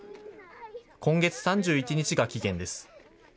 今月３１日が期限です。